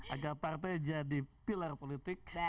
agar partai jadi pilar politik